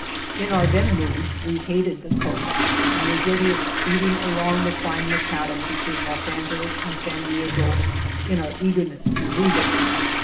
In our then mood we hated the coast and were guilty of speeding along the fine macadam between Los Angeles and San Diego in our eagerness to leave it.